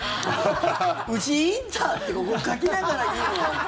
うち、インターってここ、かきながら言うのは。